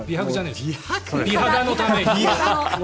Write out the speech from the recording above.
美肌のために。